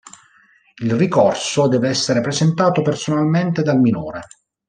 Il ricorso deve essere presentato personalmente dal minore.